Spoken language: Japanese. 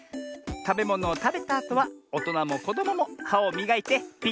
たべものをたべたあとはおとなもこどもも「は」をみがいてピッカピカにしてね！